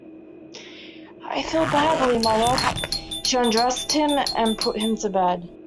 “I feel badly, mother.” She undressed him and put him to bed.